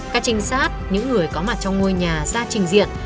các trinh sát những người có mặt trong ngôi nhà ra trình diện